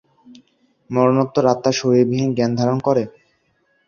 মরণোত্তর আত্মা শরীর বিহীন জ্ঞান ধারণ করে?